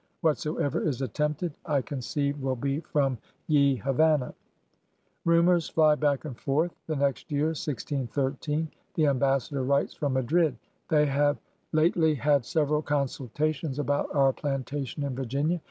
.•• Whatsoever is attempted, I conceive will be from ye Havana* Rumors fly back* and forth. The next year — 1613 — the Ambassador writes from Madrid: '"They have latelie had severall Consultations about our Plantation in Virginia.